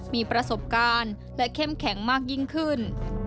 มีประสบการณ์และเข้มแข็งมากยิ่งขึ้น